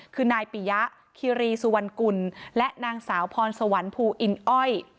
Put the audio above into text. คือนายปิยะคิรีสุวรรณกุลและนางสาวพรสวรรค์ภูอินอ้อย